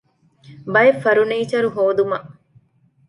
ބައެއް ފަރުނީޗަރު ހޯދުމަށް